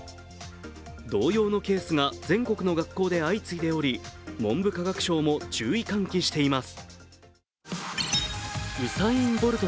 同様のケースが全国の学校で相次いでおり、文部科学省も注意喚起しています。